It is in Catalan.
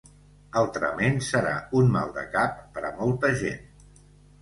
Altrament, serà un maldecap per a molta gent.